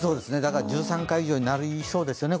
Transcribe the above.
１３回以上になりそうですよね